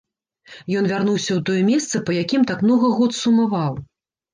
Ён вярнуўся ў тое месца, па якім так многа год сумаваў.